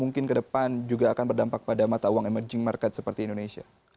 mungkin ke depan juga akan berdampak pada mata uang emerging market seperti indonesia